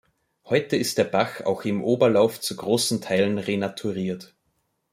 Heute ist der Bach auch im Oberlauf zu großen Teilen renaturiert.